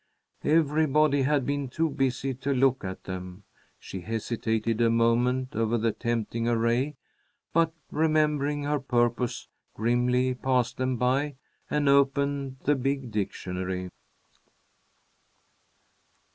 Everybody had been too busy to look at them. She hesitated a moment over the tempting array, but remembering her purpose, grimly passed them by and opened the big dictionary.